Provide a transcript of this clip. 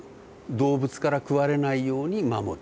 動物から食われないように守る。